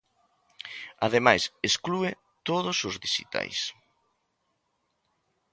Ademais, exclúe todos os dixitais.